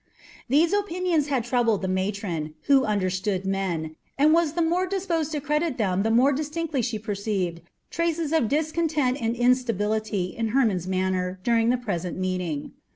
These opinions had troubled the matron, who understood men, and was the more disposed to credit them the more distinctly she perceived traces of discontent and instability in Hermon's manner during the present meeting.